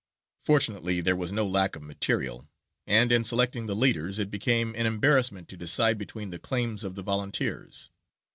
Fortunately there was no lack of material, and, in selecting the leaders, it became an embarrassment to decide between the claims of the volunteers.